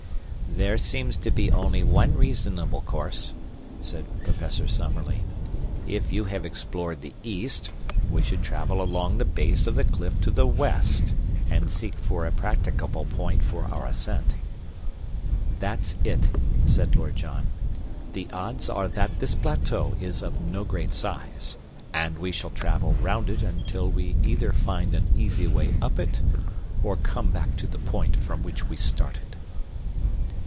"There seems to be only one reasonable course," said Professor Summerlee. "If you have explored the east, we should travel along the base of the cliff to the west, and seek for a practicable point for our ascent." "That's it," said Lord John. "The odds are that this plateau is of no great size, and we shall travel round it until we either find an easy way up it, or come back to the point from which we started."